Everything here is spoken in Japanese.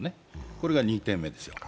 これが２点目です。